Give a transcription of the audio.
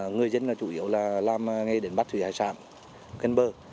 người dân chủ yếu là làm ngay đến bắc thủy hải sản cân bơ